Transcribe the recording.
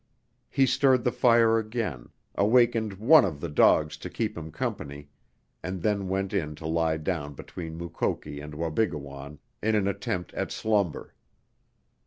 He stirred the fire again, awakened one of the dogs to keep him company, and then went in to lie down between Mukoki and Wabigoon in an attempt at slumber.